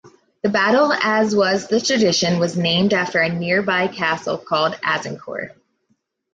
The battle, as was the tradition, was named after a nearby castle called Azincourt.